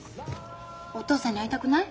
お父さんに会いたくない？